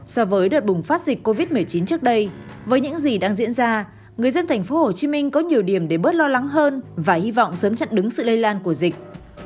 so với đợt bùng phát dịch covid một mươi chín trước đây với những gì đang diễn ra người dân thành phố hồ chí minh có nhiều điểm để bớt lo lắng hơn và hy vọng sớm chặn đứng sự lây lan của dịch